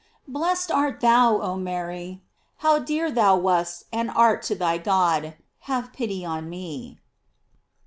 "f Blessed art thou, oh Mary ! how dear thou wast and art to thy God ! Have pity on me.